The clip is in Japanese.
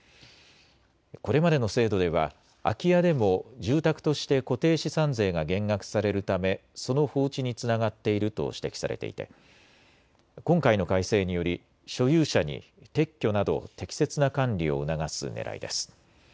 これまでの制度では空き家でも住宅として固定資産税が減額されるため、その放置につながっていると指摘されていて今回の改正により所有者に撤去など適切な管理を促すねらいです。